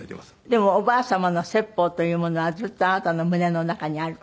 でもおばあ様の説法というものはずっとあなたの胸の中にある。